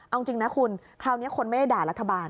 เอาจริงนะคุณคราวนี้คนไม่ได้ด่ารัฐบาล